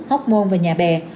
hóc môn và nhà bè